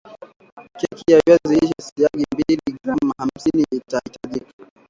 keki ya viazi lishe siagi mbili gram hamsini itahitajika